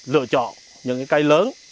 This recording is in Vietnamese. lựa chọn những cái cây lớn